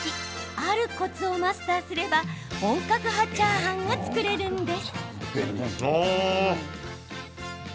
あるコツをマスターすれば本格派チャーハンが作れるんです。